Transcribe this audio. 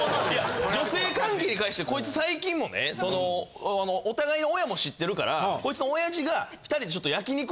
女性関係に関してこいつ最近もねお互いの親も知ってるからこいつの親父が２人。